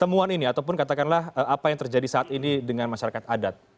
temuan ini ataupun katakanlah apa yang terjadi saat ini dengan masyarakat adat